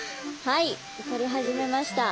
はいとり始めました。